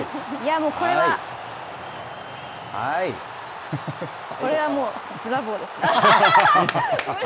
もうこれは、これはもう、ブラボーです。